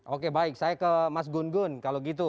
oke baik saya ke mas gun gun kalau gitu